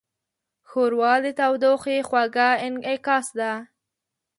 ښوروا د تودوخې خوږه انعکاس ده.